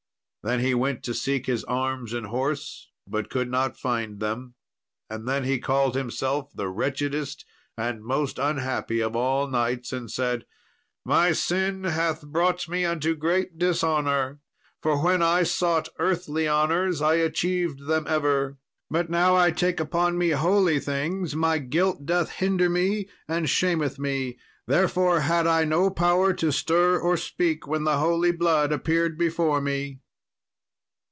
Then he went to seek his arms and horse, but could not find them; and then he called himself the wretchedest and most unhappy of all knights, and said, "My sin hath brought me unto great dishonour: for when I sought earthly honours, I achieved them ever; but now I take upon me holy things, my guilt doth hinder me, and shameth me; therefore had I no power to stir or speak when the holy blood appeared before me."